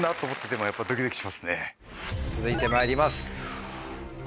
続いてまいります。